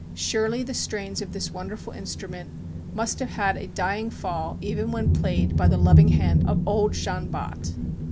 Surely the strains of this wonderful instrument must have had a "dying fall" even when played by the loving hand of old Jean Bott.